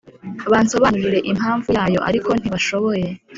Bansobanurire impamvu yayo ariko ntibashoboye